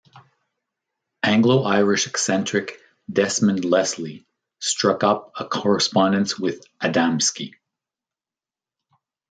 Anglo-Irish eccentric Desmond Leslie struck up a correspondence with Adamski.